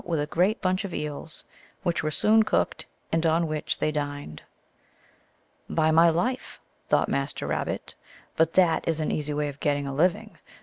209 with a great bunch of eels, which were soon cooked, and on which they dined. " By my life," thought Master Rabbit, " but that is an easy way of getting a living